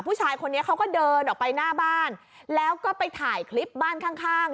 ผู้ชายคนนี้เขาก็เดินออกไปหน้าบ้านแล้วก็ไปถ่ายคลิปบ้านข้างข้าง